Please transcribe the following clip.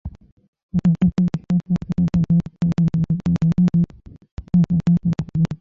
যুদ্ধ করল সেই শয়তানদের বিরুদ্ধে যারা তাঁকে অন্যায়ভাবে ধরে জুলুম করেছিল।